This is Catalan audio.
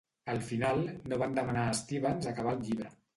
Al final, no van demanar a Stephens acabar el llibre.